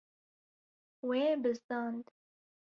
Wê bizdand.